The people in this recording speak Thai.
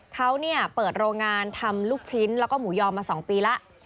เขาเปิดโรงงานทำลูกชิ้นแล้วก็หมูยอมมา๒ปีแล้ว